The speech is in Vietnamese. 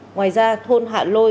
ngoài ra thôn hạ lôi